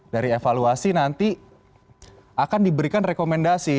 dari evaluasi nanti akan diberikan rekomendasi